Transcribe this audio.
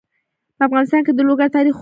په افغانستان کې د لوگر تاریخ اوږد دی.